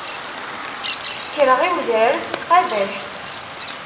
Kkreɣ i wedrar s tqabact.